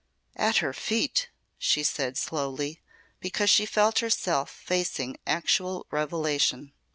"At her feet!" she said slowly, because she felt herself facing actual revelation.